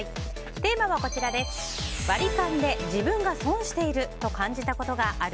テーマはワリカンで自分が損していると感じたことがある？